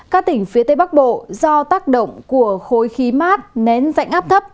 các tỉnh phía tây bắc bộ do tác động của khối khí mát nén dạnh áp thấp